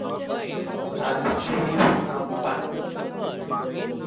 তার স্ত্রীর নাম বানু।